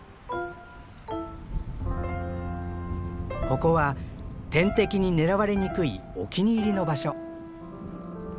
ここは天敵に狙われにくいお気に入りの場所。